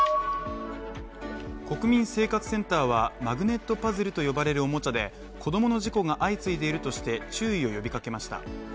国民生活センターは、マグネットパズルと呼ばれるおもちゃで子供の事故が相次いでいるとして注意を呼びかけました。